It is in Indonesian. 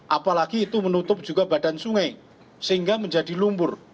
apalagi itu menutup juga badan sungai sehingga menjadi lumpur